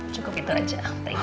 cukup itu aja